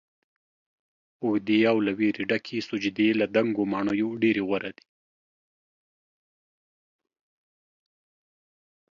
اوږدې او له ويرې ډکې سجدې له دنګو ماڼیو ډيرې غوره دي